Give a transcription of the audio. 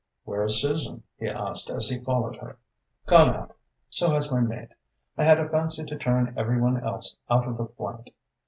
"Where is Susan?" he asked, as he followed her. "Gone out. So has my maid. I had a fancy to turn every one else out of the flat.